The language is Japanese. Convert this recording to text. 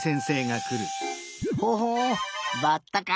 ほほうバッタか。